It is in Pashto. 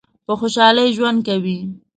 په خوشحالی ژوند کوی؟